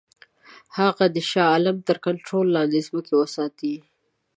هغه د شاه عالم تر کنټرول لاندي ځمکې وساتي.